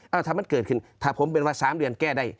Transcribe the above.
เอาถ้ามันเกิดขึ้นถ้าผมเป็นว่า๓เดือนแก้ได้